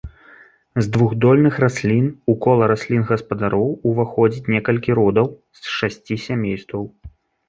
З двухдольных раслін у кола раслін-гаспадароў уваходзіць некалькі родаў з шасці сямействаў.